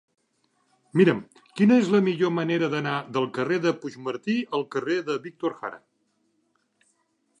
Mira'm quina és la millor manera d'anar del carrer de Puigmartí al carrer de Víctor Jara.